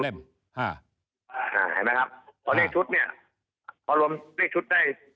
เห็นไหมครับพอเลขชุดเนี่ยพอรวมเลขชุดได้